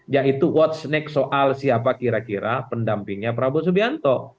yaitu what's next soal siapa kira kira pendampingnya prabowo subianto